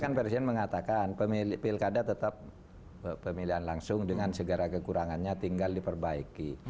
kan presiden mengatakan pilkada tetap pemilihan langsung dengan segala kekurangannya tinggal diperbaiki